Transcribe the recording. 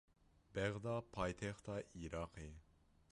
Bexda paytexta Iraqê ye.